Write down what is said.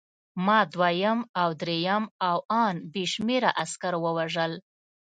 ما دویم او درېیم او ان بې شمېره عسکر ووژل